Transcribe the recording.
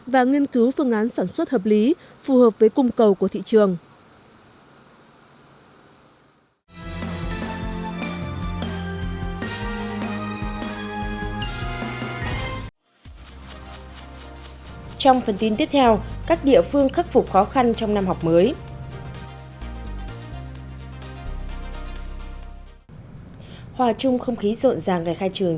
và nghiên cứu phương án sản xuất hợp lý phù hợp với cung cầu của thị trường